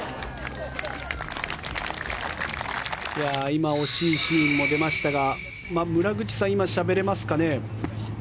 今、惜しいシーンも出ましたが村口さん、しゃべれますか？